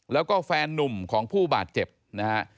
แล้วก็แฟนนุ่มของผู้บาดเจ็บนะฮะ